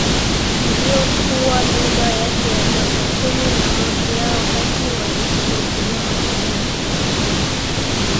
iliyokuwa lugha yake ya kwanzakumi na moja Wakati wa likizo Nkrumah alipenda kwenda